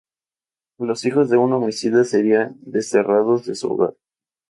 Los hijos de un homicida serían desterrados de su hogar.